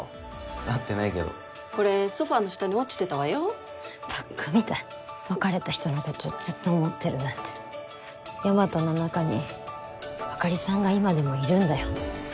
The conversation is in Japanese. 会ってないけどこれソファーの下に落ちてたわバッカみたい別れた人のことずっと思ってるなんて大和の中にあかりさんが今でもいるんだよ